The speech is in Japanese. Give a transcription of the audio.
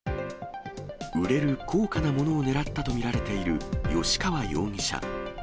売れる高価なものを狙ったと見られている吉川容疑者。